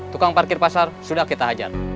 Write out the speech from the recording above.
tukang parkir pasar sudah kita hajar